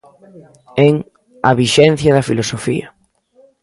En "A vixencia da filosofía".